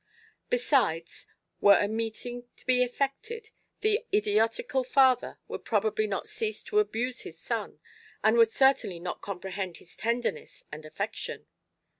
Besides, were a meeting to be effected, the idiotical father would probably not cease to abuse his son, and would certainly not comprehend his tenderness and affection.